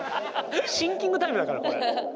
シンキングタイムだからこれ。